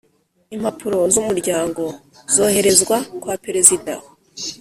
Impapuro zumuryango zoherezwa kwa Perezida